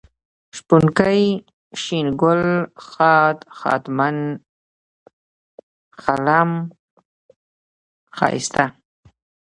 شپونکی ، شين گل ، ښاد ، ښادمن ، ښالم ، ښايسته